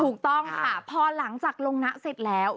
ถูกต้องค่ะพอหลังจากลงนะเสร็จแล้ว